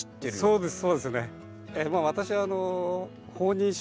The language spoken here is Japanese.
そうです。